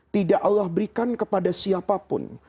tidak allah memberikan kepada siapa pun